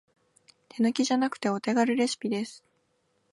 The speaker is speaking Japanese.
手抜きじゃなくてお手軽レシピです